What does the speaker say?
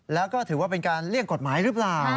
แล้วก็ถือว่าเป็นการเลี่ยงกฎหมายหรือเปล่า